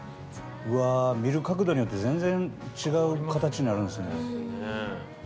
見る角度によって全然違う形になるんですね。